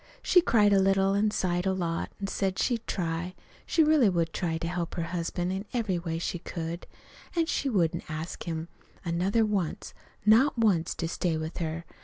She cried a little, an' sighed a lot, an' said she'd try, she really would try to help her husband in every way she could; an' she wouldn't ask him another once, not once, to stay with her.